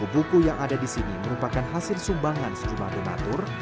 buku yang ada di sini merupakan hasil sumbangan sejumlah donatur